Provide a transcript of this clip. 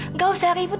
nggak usah ribut